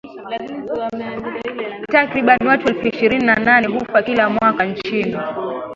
Takribani watu elfu ishirini na nane hufa kila mwaka nchini